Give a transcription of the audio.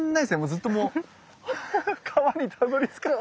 ずっともう川にたどりつかない。